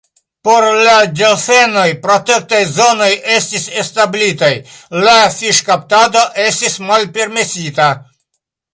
Por la delfenoj protektaj zonoj estis establitaj, la fiŝkaptado estis malpermesita.